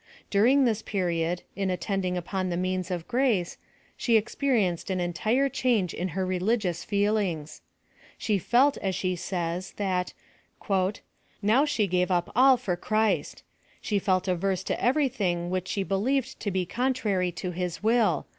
During this period, in attending upon the means of grace, she expe rienced an entire change in her religious feelings. She felt, as she says, that "now she gave up all for Christ. She felt averse to every thing which she believed to be contrary to his will.